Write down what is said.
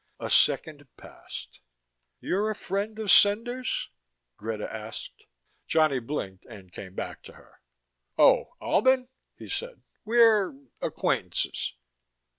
A second passed. "You a friend of Cendar's?" Greta asked. Johnny blinked and came back to her. "Oh, Albin?" he said. "We're acquaintances."